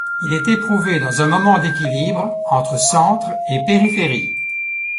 Il est éprouvé dans un moment d’équilibre entre centre et périphérie.